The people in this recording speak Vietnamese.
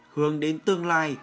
hướng đến tương lai